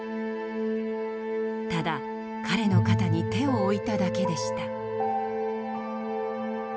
ただ彼の肩に手を置いただけでした。